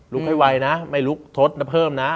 ให้ไวนะไม่ลุกทดนะเพิ่มนะ